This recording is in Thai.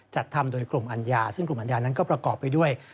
จัดทำโดยกลุ่มอัญญาซึ่งกลุ่มอัญญานั้นก็ประกอบไปด้วย